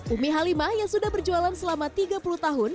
umi halimah yang sudah berjualan selama tiga puluh tahun